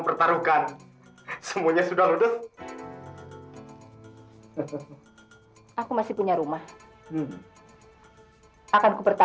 biar aku lebih percaya